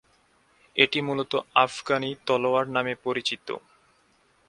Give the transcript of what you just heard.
এটি মূলত আফগানি তলোয়ার নামে পরিচিত।